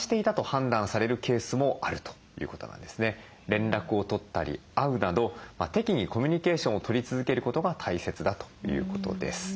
連絡を取ったり会うなど適宜コミュニケーションを取り続けることが大切だということです。